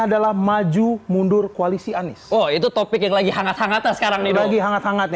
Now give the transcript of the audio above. adalah maju mundur koalisi anies oh itu topik yang lagi hangat hangatnya sekarang nih lagi hangat hangatnya